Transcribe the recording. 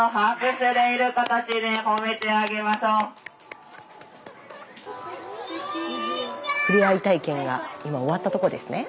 スタジオふれあい体験が今終わったとこですね？